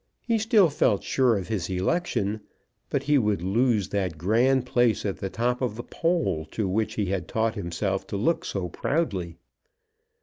He still felt sure of his election, but he would lose that grand place at the top of the poll to which he had taught himself to look so proudly.